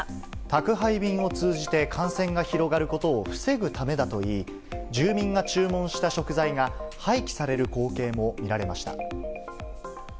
宅配便を通じて感染が広がることを防ぐためだといい、住民が注文した食材が廃棄される光景も見られました。